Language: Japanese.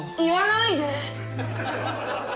言わないで！